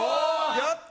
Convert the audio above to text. やった！